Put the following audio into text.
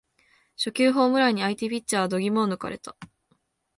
初球ホームランに相手ピッチャーは度肝を抜かれた